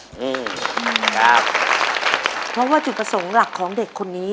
อืมขอบคุณครับเพราะว่าจุดประสงค์หลักของเด็กคนนี้